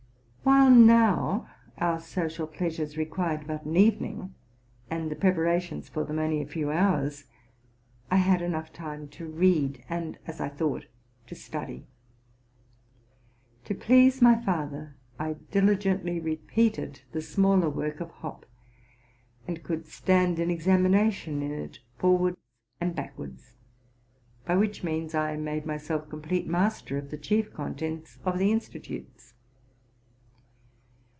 While, now, our social pleasures required but an evening, and the preparations for them only a few hours, I had enough time to read, and, as I thought, to study. To please my father, I diligently repeated the smaller work of Hopp, and could stand an examination in it forwards and back wards, by which means I made myself complete master of the chief contents of the institutes.